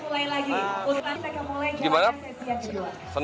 terus tadi selama latihan